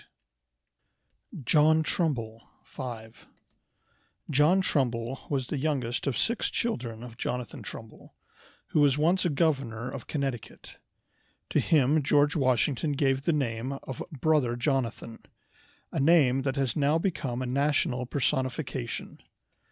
] MAKERS OF AMERICAN ART John Trumbull FIVE John Trumbull was the youngest of six children of Jonathan Trumbull, who was once governor of Connecticut. To him George Washington gave the name of "Brother Jonathan," a name that has now become a national personification.